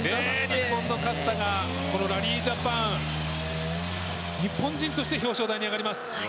日本の勝田がこのラリージャパン日本人として表彰台に上がります。